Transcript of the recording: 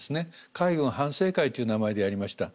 海軍反省会という名前でやりました。